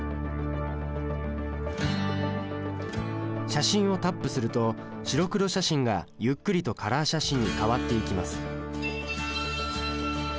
写真をタップすると白黒写真がゆっくりとカラー写真に変わっていきます。